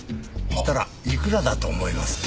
そしたらいくらだと思います？